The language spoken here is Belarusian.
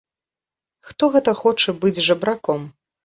Хто гэта хоча быць жабраком!